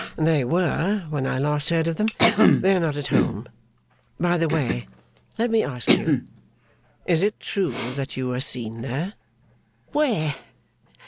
'They were, when I last heard of them. They are not at home. By the way, let me ask you. Is it true that you were seen there?' 'Where?